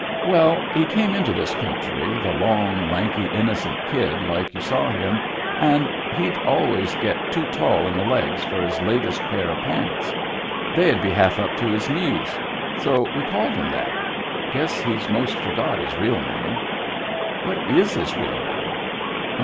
"Well, he came into this country the long, lanky, innocent kid like you saw him, and he'd always get too tall in the legs for his latest pair of pants. They'd be half up to his knees. So we called him that. Guess he's most forgot his real name." " What is his real name